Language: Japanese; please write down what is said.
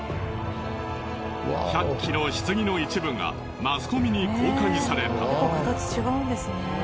１００基の棺の一部がマスコミに公開された。